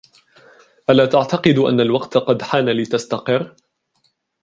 ألا تعتقد أن الوقت قد حان لتستقر؟